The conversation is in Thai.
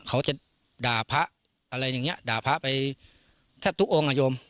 เขาจะด่าพระอะไรอย่างเงี้ด่าพระไปแทบทุกองค์อ่ะโยม